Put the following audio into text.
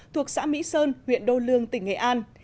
thuộc xã mỹ sơn huyện đô lương tỉnh nghệ an